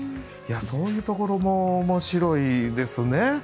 そういうところも面白いですね。